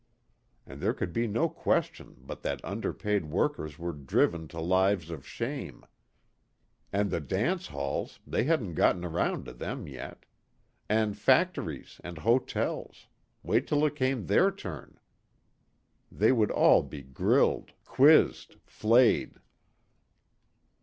And there could be no question but that underpaid workers were driven to lives of shame. And the dance halls, they hadn't gotten around to them yet. And factories and hotels wait till it came their turn. They would all be grilled, quizzed, flayed.